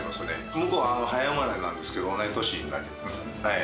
向こうは早生まれなんですけど、同い年になります。